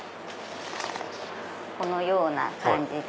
このような感じで。